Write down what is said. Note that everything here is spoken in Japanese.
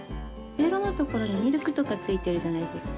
ベロの所にミルクとか付いてるじゃないですか。